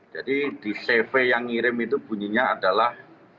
jadi di cv yang ngirim itu bunyinya adalah